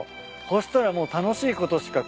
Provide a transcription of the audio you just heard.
そしたらもう楽しいことしかこう。